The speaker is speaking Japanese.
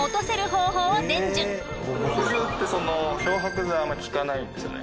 墨汁ってその漂白剤あまり効かないんですよね。